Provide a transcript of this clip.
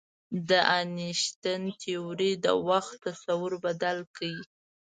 د انیشتین تیوري د وخت تصور بدل کړ.